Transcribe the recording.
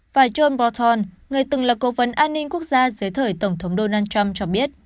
bà john broton người từng là cố vấn an ninh quốc gia dưới thời tổng thống donald trump cho biết